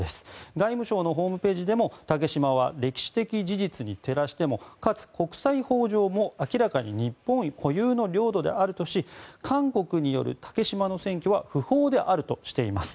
外務省のホームページでも竹島は歴史的事実に照らしてもかつ国際法上も明らかに日本固有の領土であるとし韓国による竹島の占拠は不法であるとしています。